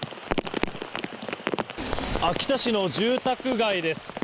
秋田市の住宅街です。